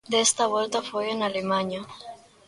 Desta volta foi en Alemaña.